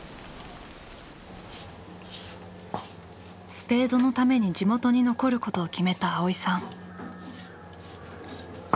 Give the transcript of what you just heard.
スペードのために地元に残ることを決めた蒼依さん。